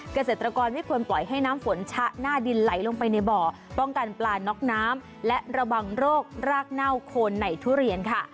เกษตรกรไม่ควรปล่อยให้น้ำฝนชะหน้าดินไหลลงไปในบ่อป้องกันปลาน็อกน้ำและระวังโรครากเน่าโคนในทุเรียนค่ะ